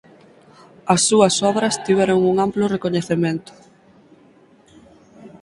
As súas obras tiveron un amplo recoñecemento.